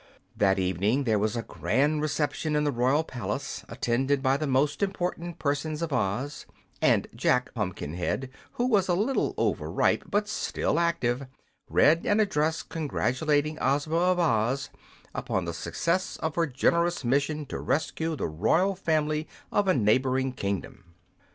That evening there was a grand reception in the royal palace, attended by the most important persons of Oz, and Jack Pumpkinhead, who was a little overripe but still active, read an address congratulating Ozma of Oz upon the success of her generous mission to rescue the royal family of a neighboring kingdom.